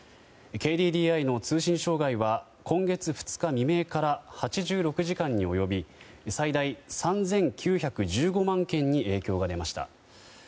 ＫＤＤＩの通信障害は今月２日未明から８６時間に及び最大３９１５万件に影響が出ました。